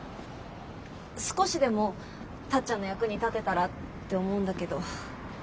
少しでもタッちゃんの役に立てたらって思うんだけど。